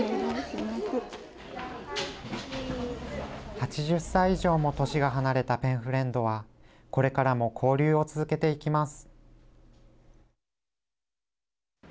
８０歳以上も年が離れたペンフレンドはこれからも交流を続けていきます